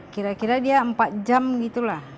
kira kira dia empat jam gitu lah